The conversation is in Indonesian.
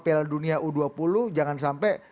piala dunia u dua puluh jangan sampai